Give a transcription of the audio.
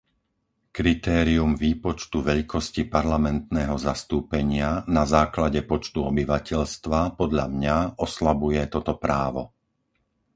Kritérium výpočtu veľkosti parlamentného zastúpenia na základe počtu obyvateľstva podľa mňa oslabuje toto právo.